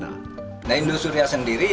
nah indosuria sendiri itu